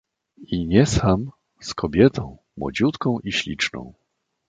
"i nie sam... z kobietą, młodziutką i śliczną."